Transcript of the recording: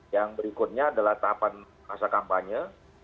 yang berikutnya adalah tahapan masa kampanye